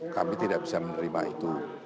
kami tidak bisa menerima itu